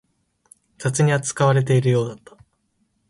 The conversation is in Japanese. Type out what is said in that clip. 雑に扱われているようだった